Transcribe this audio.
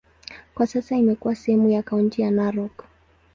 Kwa sasa imekuwa sehemu ya kaunti ya Narok.